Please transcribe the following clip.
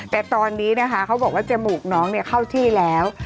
แต่ตอนนี้นะคะเขาบอกว่าจมูกน้องเข้าที่แล้ว